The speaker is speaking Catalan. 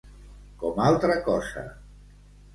Com altra cosa.